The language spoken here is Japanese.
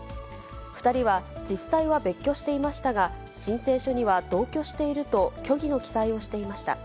２人は実際は別居していましたが、申請書には同居していると、虚偽の記載をしていました。